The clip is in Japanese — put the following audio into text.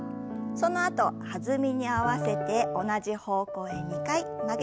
そのあと弾みに合わせて同じ方向へ２回曲げて戻します。